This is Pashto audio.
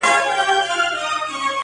سیاه پوسي ده، افغانستان دی.